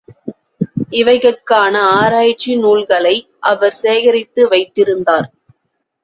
இவைகட்கான ஆராய்ச்சி நூல்களை அவர் சேகரித்து வைத்திருந்தார்.